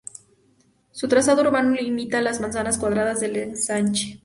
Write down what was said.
Su trazado urbano imita las manzanas cuadradas del Ensanche.